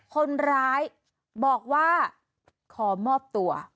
คนร้ายบอกว่าขอมอบตัว